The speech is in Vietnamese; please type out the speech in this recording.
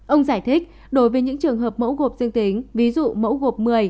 ông giải thích đối với những trường hợp mẫu gộp dương tính ví dụ mẫu gộp một mươi